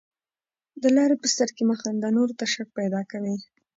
د لاري په سر کښي مه خانده، نورو ته شک پیدا کوې.